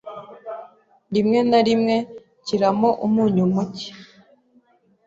Rimwe na rimwe nshyiramo umunyu muke.